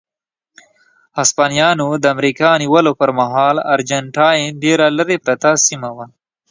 هسپانویانو د امریکا نیولو پر مهال ارجنټاین ډېره لرې پرته سیمه وه.